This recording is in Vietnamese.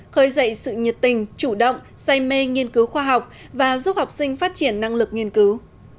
khơi dậy sự nhiệt tình chủ động say mê nghiên cứu khoa học và giúp học sinh phát triển năng lực nghiên cứu